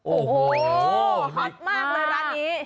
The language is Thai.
โอ้โหฮอตมากเลยร้านนี้